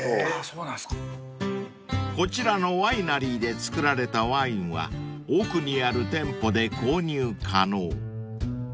［こちらのワイナリーで造られたワインは奥にある店舗で購入可能］